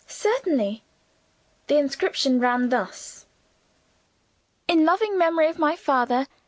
"Certainly!" The inscription ran thus: "In loving memory of my father.